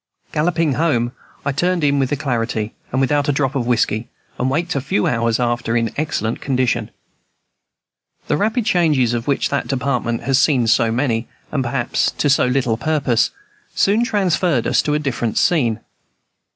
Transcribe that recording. Galloping home, I turned in with alacrity, and without a drop of whiskey, and waked a few hours after in excellent condition. The rapid changes of which that Department has seen so many and, perhaps, to so little purpose soon transferred us to a different scene.